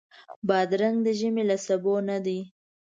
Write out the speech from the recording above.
بادرنګ د ژمي له سبو نه دی.